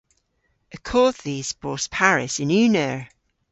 Y kodh dhis bos parys yn unn eur.